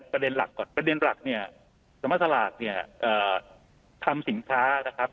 ประเด็นแรกเนี่ยเสมอสลากเนี่ยทำสินค้านะครับ